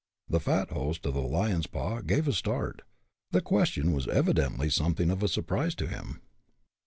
The fat host of the Lion's Paw gave a start. The question was evidently something of a surprise to him.